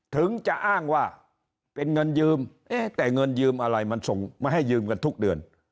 ถึงจะอ้างว่าเป็นเงินยืมเอ๊ะแต่เงินยืมอะไรมันส่งมาให้ยืมกันทุกเดือน